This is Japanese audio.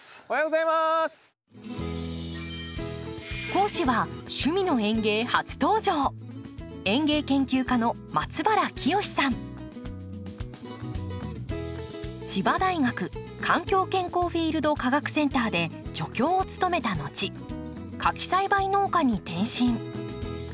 講師は「趣味の園芸」初登場千葉大学環境健康フィールド科学センターで助教を務めた後花き栽培農家に転身。